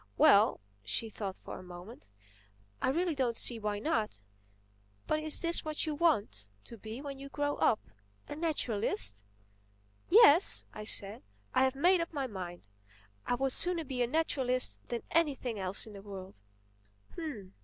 "Well"—she thought a moment—"I really don't see why not. But is this what you want to be when you grow up, a naturalist?" "Yes," I said, "I have made up my mind. I would sooner be a naturalist than anything else in the world."